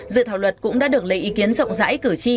dự thảo luật cũng đã được lấy ý kiến rộng rãi cử tri